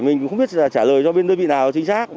mình cũng không biết trả lời cho bên đơn vị nào chính xác